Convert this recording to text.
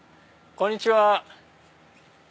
こんにちは。